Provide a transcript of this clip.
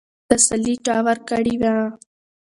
تسلي چا ورکړې وه؟